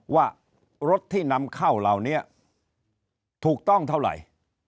ว่ารถที่นำเข้าเหล่านี้ถูกต้องเท่าไหร่